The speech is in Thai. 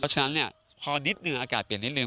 เพราะฉะนั้นพอนิดหนึ่งอากาศเปลี่ยนนิดหนึ่ง